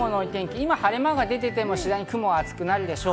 今、晴れ間が出ていても次第に雲が厚くなるでしょう。